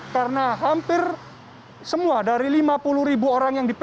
karena hampir semua dari lima puluh ribu orang yang di phk